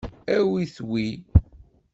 Awit wi.